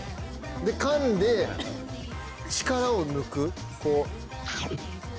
でかんで力を抜くこう。